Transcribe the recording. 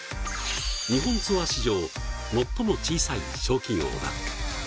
日本ツアー史上最も小さい賞金王だ。